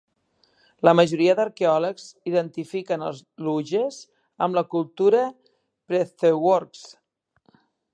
La majoria d'arqueòlegs identifiquen els luges amb la cultura Przeworsk.